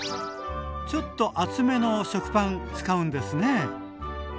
ちょっと厚めの食パン使うんですね。